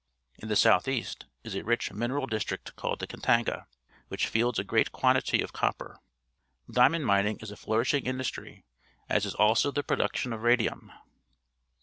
In the south east is a rich mineral district called the Katanga, which fields a great quantity of copper. Diamond mining is a flourishing industry, as is also the produc tion of radium.